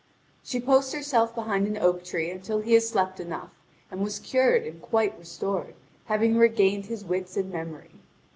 She posts herself behind an oak tree until he had slept enough, and was cured and quite restored, having regained his wits and memory.